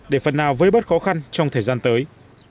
để phần nào với bớt khó khăn trong thời gian tới